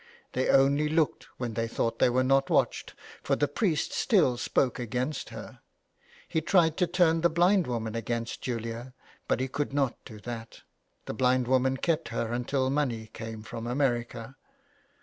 They only looked when they thought they were not watched, for the priest still spoke against her. He tried to turn the blind woman against Julia, but he could not do that ; the blind woman kept her until money came from America.